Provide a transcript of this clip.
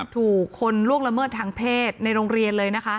ถูกคนล่วงละเมิดทางเพศในโรงเรียนเลยนะคะ